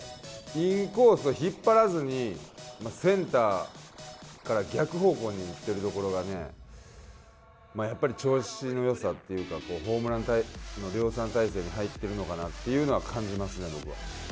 インコースを引っ張らずにセンターから逆方向に打ってるところがやっぱり調子の良さっていうかホームランの量産体制に入ってるのかなって感じますね。